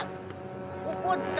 怒った。